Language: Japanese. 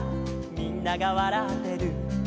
「みんながわらってる」